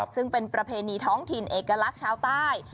ซึ่งเป็นประเพณีท้องถิ่นเอกลักษณ์ชาวใต้